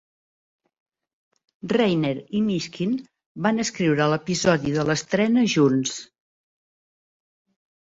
Reiner i Mishkin van escriure l'episodi de l'estrena junts.